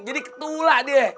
jadi ketulak deh